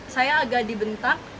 saya agak dibentak